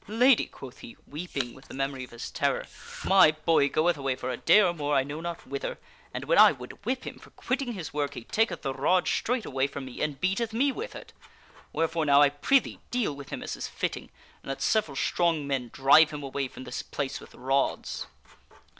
" Lady," quoth he, weeping with the memory of his terror, " my boy goeth away for a compiaineth to the day or more, I know not whither; and when I would whip Lady Guinevere. him Qr q u i tt j n g his work he taketh the rod straight away from me and beateth me with it. Wherefore, now, I prithee, deal with him as is fitting, and let several strong men drive .him away from this place with rods."